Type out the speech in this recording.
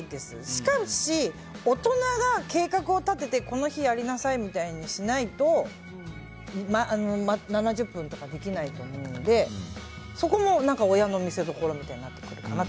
しかし、大人が計画を立ててこの日やりなさいみたいにしないと７０分とかできないと思うのでそこも親の見せどころになってくるかなと。